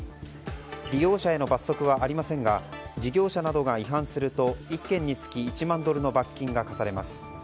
利用者への罰則はありませんが事業者などが違反すると１件につき１万ドルの罰金が科されます。